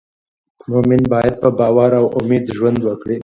مؤمن باید په باور او امید ژوند وکړي.